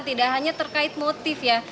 tidak hanya terkait motif ya